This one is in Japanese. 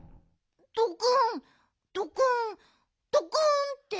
ドクンドクンドクンって。